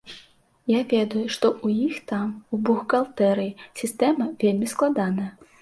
Я ведаю, што ў іх там, у бухгалтэрыі, сістэма вельмі складаная.